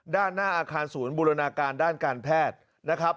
ด้านหน้าอาคารศูนย์บูรณาการด้านการแพทย์นะครับ